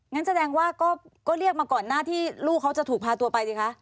งั้นแสดงว่าก็เรียกมาก่อนหน้าที่ลูกเขาจะถูกพาตัวไปสิคะ